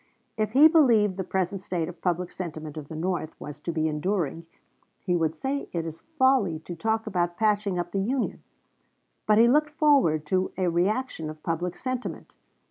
If he believed the present state of public sentiment of the North was to be enduring, he would say it is folly to talk about patching up the Union; but he looked forward to a reaction of public sentiment.